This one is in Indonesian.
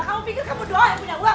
kamu pikir kamu doa yang punya uang